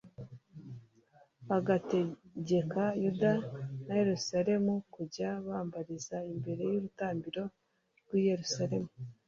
agategeka Yuda na Yeruzalemu kujya bambariza imbere y’urutambiro rw’i Yeruzalemu.